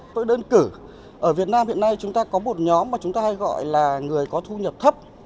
tôi đơn cử ở việt nam hiện nay chúng ta có một nhóm mà chúng ta hay gọi là người có thu nhập thấp